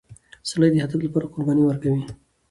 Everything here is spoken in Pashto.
سړی د هدف لپاره قرباني ورکوي